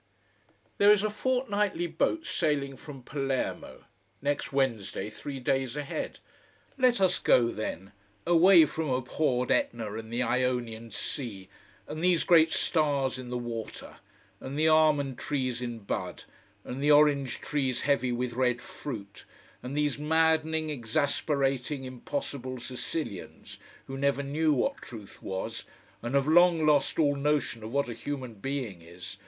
There is a fortnightly boat sailing from Palermo next Wednesday, three days ahead. Let us go, then. Away from abhorred Etna, and the Ionian sea, and these great stars in the water, and the almond trees in bud, and the orange trees heavy with red fruit, and these maddening, exasperating, impossible Sicilians, who never knew what truth was and have long lost all notion of what a human being is.